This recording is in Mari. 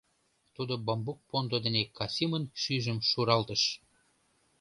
Тудо бамбук пондо дене Касимын шӱйжым шуралтыш.